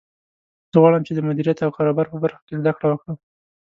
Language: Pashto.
زه غواړم چې د مدیریت او کاروبار په برخه کې زده کړه وکړم